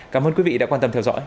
cảm ơn quý vị đã quan tâm theo dõi